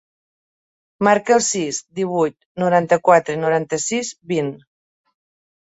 Marca el sis, divuit, noranta-quatre, noranta-sis, vint.